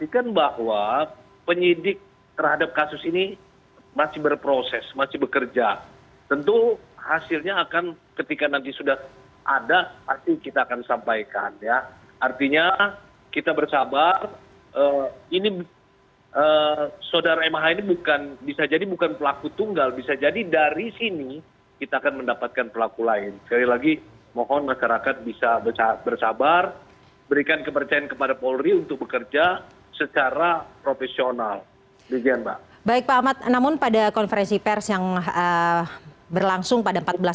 kalau dilihat dari pemerintahan yang ada dan keterangan keterangan yang disampaikan oleh mah